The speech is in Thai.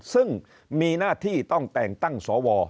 ซึ่งมีหน้าที่ต้องแต่งตั้งสว